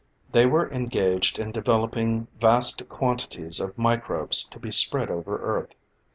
They were engaged in developing vast quantities of microbes to be spread over Earth.